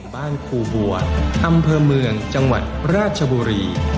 ครูบัวอำเภอเมืองจังหวัดราชบุรี